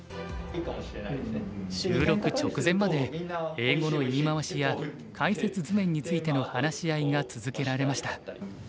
収録直前まで英語の言い回しや解説図面についての話し合いが続けられました。